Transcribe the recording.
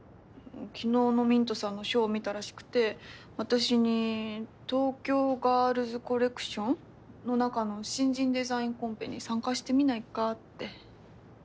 昨日のミントさんのショー見たらしくて私に東京ガールズコレクションの中の新人デザインコンペに参加してみないかって。